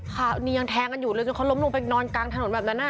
ค่ะนี่ยังแทงกันอยู่เลยจนเขาล้มลงไปนอนกลางถนนแบบนั้น